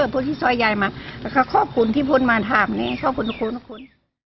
พูดที่ซอยยายมาแล้วก็ขอบคุณที่พ้นมาถามนี้ขอบคุณทุกคนทุกคน